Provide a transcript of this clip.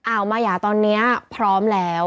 มายาตอนนี้พร้อมแล้ว